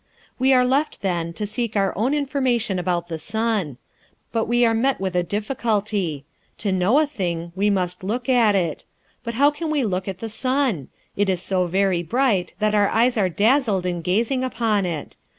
We are left, then, to seek our own information about the sun. But we are met with a difficulty. To know a thing, we must look at it. How can we look at the sun? It is so very bright that our eyes are dazzled in gazing upon it.